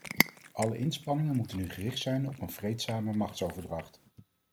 Alle inspanningen moeten nu gericht zijn op een vreedzame machtsoverdracht.